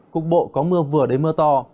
cục bộ có mưa vừa đến mưa to